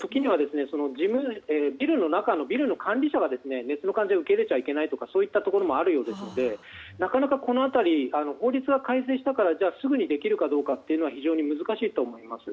時には、ビルの中のビルの管理者が熱の患者を受け入れちゃいけないとかそういったところがあるみたいなのでなかなかこの辺り法律改正したからすぐにできるかは非常に難しいと思います。